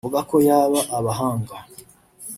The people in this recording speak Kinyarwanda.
Avuga ko yaba abahanga